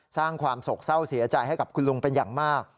สร้างความสกเศร้าเสียใจให้กับคุณลุงเป็นอย่างมาก